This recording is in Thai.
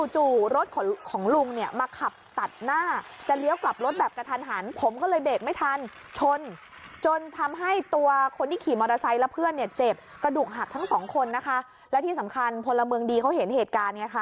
จู่รถของลุงเนี่ยมาขับตัดหน้า